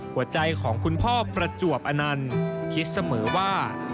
หัวใจของคุณพ่อประจวบอนันต์คิดเสมอว่า